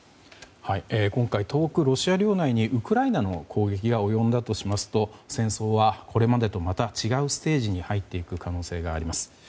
今回、遠くロシア領内にウクライナの攻撃が及んだとしますと、戦争はこれまでとまた違うステージに入っていく可能性があります。